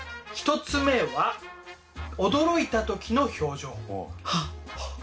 １つ目は驚いた時の表情。